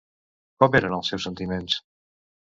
Com eren els seus sentiments?